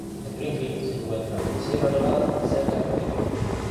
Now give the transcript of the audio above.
Springfield se encuentra en Sierra Nevada cerca de Columbia.